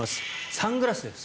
サングラスです。